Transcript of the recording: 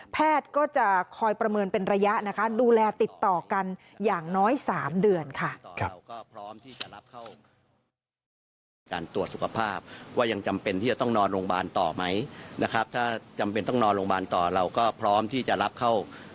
แพทย์ก็จะคอยประเมินเป็นระยะนะคะดูแลติดต่อกันอย่างน้อย๓เดือนค่ะ